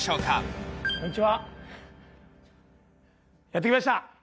やって来ました。